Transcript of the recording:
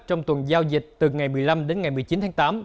trong tuần giao dịch từ ngày một mươi năm đến ngày một mươi chín tháng tám